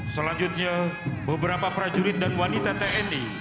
selanjutnya beberapa prajurit dan wanita tni